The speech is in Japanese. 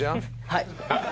はい。